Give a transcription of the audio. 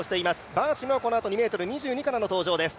バーシムはこのあと２ｍ２２からの登場です。